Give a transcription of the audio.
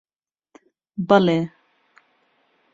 بەڵێ.